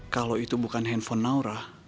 kalau itu bukan handphone naura